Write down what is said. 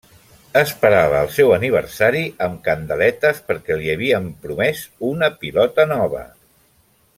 Esperava el seu aniversari amb candeletes perquè li havíem promès una pilota nova.